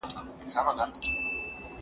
چې برېښنا پړک وکړي